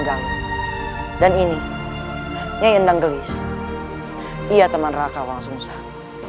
galuh dan ini nyai endang gelis ia teman raka wangsungsan